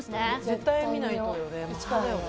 絶対見ないとよね。